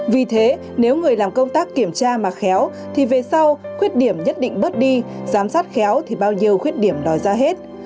vì thế nếu người làm công tác kiểm tra mà khéo thì về sau khuyết điểm nhất định bớt đi giám sát khéo thì bao nhiêu khuyết điểm đó ra hết